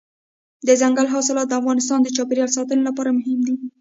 دځنګل حاصلات د افغانستان د چاپیریال ساتنې لپاره مهم دي.